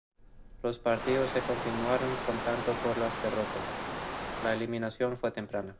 Los partidos se continuaron contando por derrotas; la eliminación fue temprana.